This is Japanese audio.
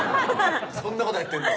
そんなことやってんの？